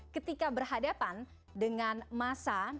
ketika berhadapan dengan masa